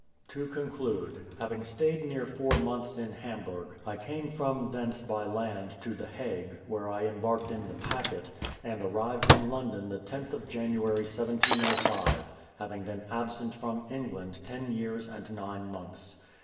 To conclude: having stayed near four months in Hamburgh, I came from thence by land to the Hague, where I embarked in the packet, and arrived in London the 10th of January 1705, having been absent from England ten years and nine months.